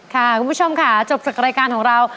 คุณผู้ชมค่ะจบจากรายการของเรา